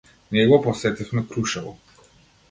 Ние го посетивме Крушево.